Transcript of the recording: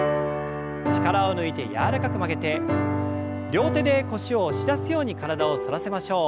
力を抜いて柔らかく曲げて両手で腰を押し出すように体を反らせましょう。